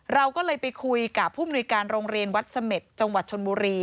เราก็เลยไปคุยกับผู้มนุยการโรงเรียนวัดเสม็จจังหวัดชนบุรี